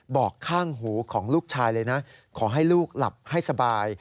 บอกข้างหูของลูกชายเลยนะขอให้ลูกหลับให้สบาย